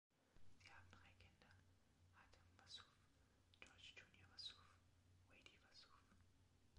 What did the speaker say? Sie haben drei Kinder: Hatem Wassouf, George Junior Wassouf, Wadie Wassouf.